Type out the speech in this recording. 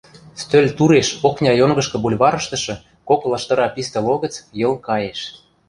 Стӧл туреш окня йонгышкы бульварыштышы кок лаштыра пистӹ логӹц Йыл каеш.